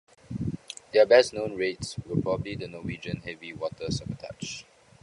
Their best known raids were probably the Norwegian heavy water sabotage.